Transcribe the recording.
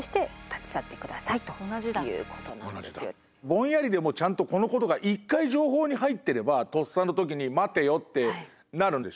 ぼんやりでもちゃんとこのことが一回情報に入ってればとっさの時に「待てよ」ってなるんでしょうね。